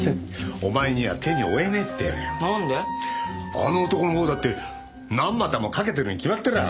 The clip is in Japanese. あの男のほうだって何股もかけてるに決まってらあ！